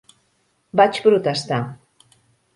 Vaig protestar.